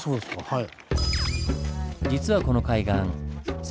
はい。